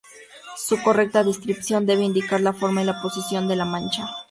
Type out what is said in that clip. Su correcta descripción debe indicar la forma y la posición de la mancha.